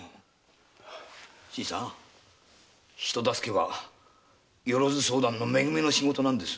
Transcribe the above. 新さん人助けはよろづ相談のめ組の仕事なんです。